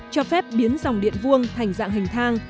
cho phép biến dòng điện vuông thành dạng hình thang